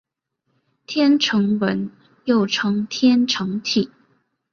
天城文又称天城体。